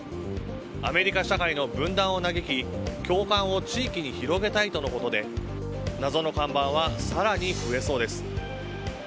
アメリカ社会の分断を嘆き共感を地域に広げたいとのことで謎の看板は更に増えそうです。